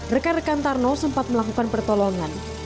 rekan rekan tarno sempat melakukan pertolongan